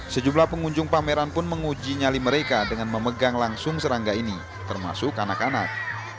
sejumlah pengunjung pameran pun menguji nyali mereka dengan memegang langsung serangga ini termasuk anak anak